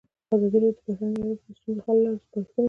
ازادي راډیو د بهرنۍ اړیکې د ستونزو حل لارې سپارښتنې کړي.